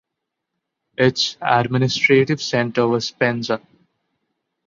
Its administrative centre was Penza.